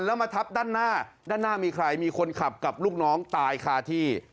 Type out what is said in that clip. แล้วมาทับด้านหน้าด้านหน้ามีใครมีคนขับกับลูกน้องตายคาที่